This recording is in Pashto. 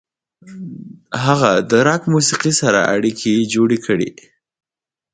هغه د راک موسیقۍ سره اړیکې جوړې کړې.